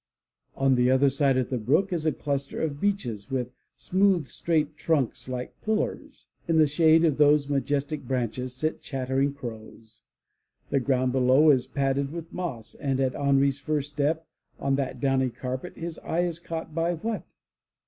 On the other side of the brook is a cluster of beeches with smooth straight trunks like pillars. In the shade of those majes tic branches sit chattering crows. The ground below is padded with moss, and at Henri's first step on that downy carpet his eye is caught by what?